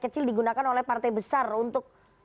kecil digunakan oleh partai besar untuk